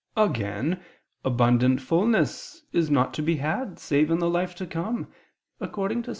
Again, abundant fullness is not to be had save in the life to come, according to Ps.